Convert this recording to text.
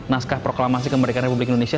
naskah proklamasi kemerdekaan republik indonesia